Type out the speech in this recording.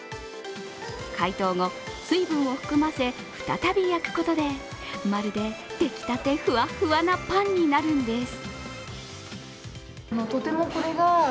解凍後、水分を含ませ再び焼くことで、まるで、出来たてふわふわなパンになるんです。